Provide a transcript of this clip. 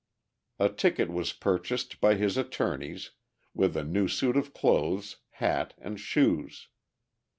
A ticket was purchased by his attorneys, with a new suit of clothes, hat, and shoes.